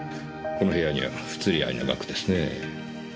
この部屋には不釣合いな額ですねぇ。